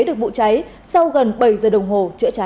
được vụ cháy sau gần bảy giờ đồng hồ